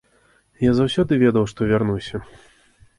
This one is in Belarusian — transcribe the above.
Я заўсёды ведаў, што вярнуся.